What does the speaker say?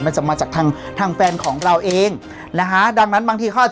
มันจะมาจากทางทางแฟนของเราเองนะฮะดังนั้นบางทีเขาอาจจะ